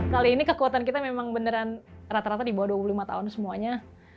kali ini kekuatan kita memang beneran rata rata di bawah dua puluh lima tahun semuanya